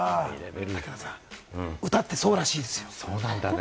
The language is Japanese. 武田さん、歌って、そうなんですね。